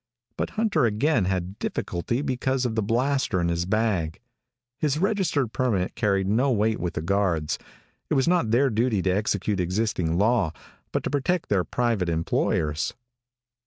But Hunter again had difficulty because of the blaster in his bag. His registered permit carried no weight with the guards. It was not their duty to execute existing law, but to protect their private employers.